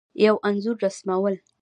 یو انځور رسمول